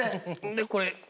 でこれ。